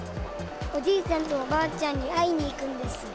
おじいちゃんとおばあちゃんに会いに行くんです。